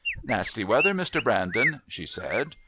"Nasty weather, Mr. Brandon," she said.